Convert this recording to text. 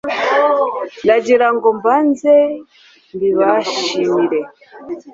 ndagira ngo mbanze mbibashimire